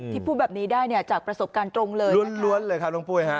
พูดแบบนี้ได้เนี่ยจากประสบการณ์ตรงเลยล้วนเลยครับน้องปุ้ยฮะ